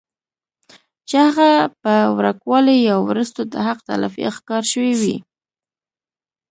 چې هغه پۀ وړوکوالي يا وروستو د حق تلفۍ ښکار شوي وي